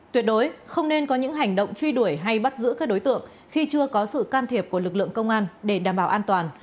tuyệt đối không nên có những hành động truy đuổi hay bắt giữ các đối tượng khi chưa có sự can thiệp của lực lượng công an để đảm bảo an toàn